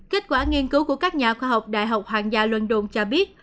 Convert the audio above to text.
kết quả nghiên cứu của các nhà khoa học đại học hoàng gia london cho biết